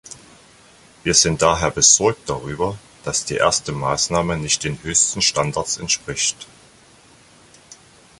Wir sind daher besorgt darüber, dass die erste Maßnahme nicht den höchsten Standards entspricht.